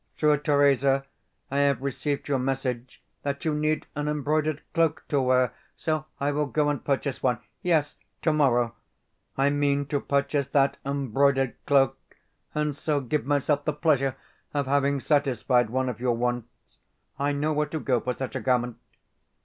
Through Theresa I have received your message that you need an embroidered cloak to wear, so I will go and purchase one. Yes, tomorrow I mean to purchase that embroidered cloak, and so give myself the pleasure of having satisfied one of your wants. I know where to go for such a garment.